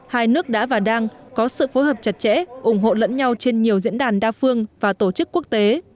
hai nước đã và đang có sự phối hợp chặt chẽ ủng hộ lẫn nhau trên nhiều diễn đàn đa phương và tổ chức quốc tế